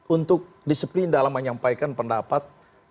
untuk disiplin dalam menyampaikan pendapat